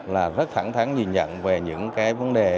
là rất thẳng thắng nhìn nhận về những cái vấn đề